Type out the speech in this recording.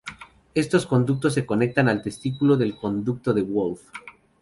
Estos conductos conectan al testículo al conducto de Wolf.